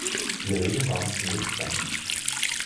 Die Regeln waren ziemlich streng.